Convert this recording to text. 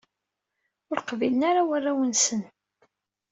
Ur qbilen ara warraw-nnes.